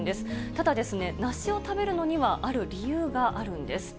ただ、梨を食べるのには、ある理由があるんです。